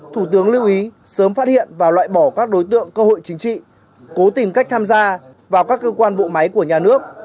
thủ tướng lưu ý sớm phát hiện và loại bỏ các đối tượng cơ hội chính trị cố tìm cách tham gia vào các cơ quan bộ máy của nhà nước